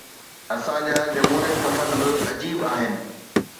اسان جا جمهوريت پسند به عجيب آهن.